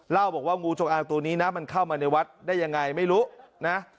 เล่าบอกว่างูจงอางตัวนี้นะมันเข้ามาในวัดได้ยังไงไม่รู้นะ